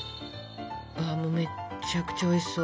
めっちゃくちゃおいしそう。